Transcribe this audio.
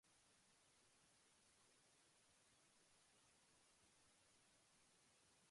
Actualmente enfrenta gran riesgo de desastre ecológico.